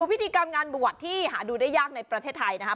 พิธีกรรมงานบวชที่หาดูได้ยากในประเทศไทยนะครับ